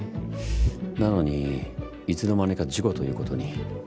なのにいつの間にか事故ということに。